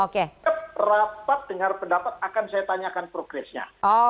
keperapat dengan pendapat akan saya tanyakan progressnya